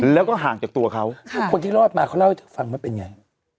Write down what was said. แล้วก็ห่างจากตัวเขาคนที่รอดมาเขาเล่าให้ฟังว่าเป็นไง